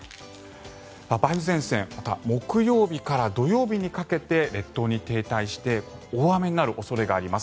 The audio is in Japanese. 梅雨前線また木曜日から土曜日にかけて列島に停滞して大雨になる恐れがあります。